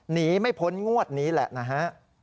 หนีไม่พ้นงวดนี้แหละนะฮะ